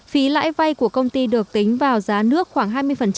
phí lãi vay của công ty được tính vào giá nước khoảng hai mươi